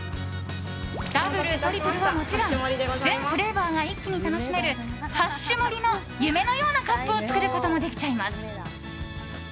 ダブル、トリプルはもちろん全フレーバーが一気に楽しめる８種盛りの夢のようなカップを作ることもできちゃいます。